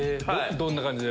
どんな感じで？